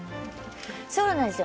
そうなんですよ。